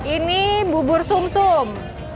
ini bubur sum sum